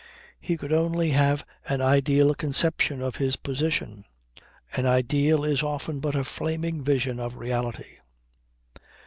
He could only have an ideal conception of his position. An ideal is often but a flaming vision of reality.